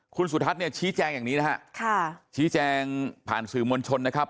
คุณสุทัศน์เนี่ยชี้แจงอย่างนี้นะฮะค่ะชี้แจงผ่านสื่อมวลชนนะครับ